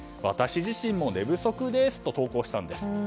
私自身も寝不足ですと投稿したんです。